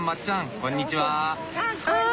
こんにちは。